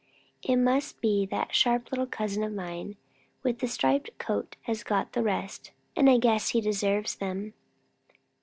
It must be that that sharp little cousin of mine with the striped coat has got the rest, and I guess he deserves them."